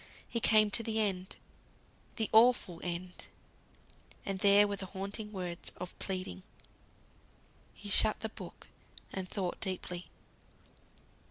He came to the end; the awful End. And there were the haunting words of pleading. He shut the book, and thought deeply.